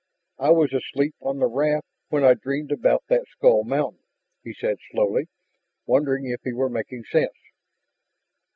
"I was asleep on the raft when I dreamed about that skullmountain," he said slowly, wondering if he were making sense.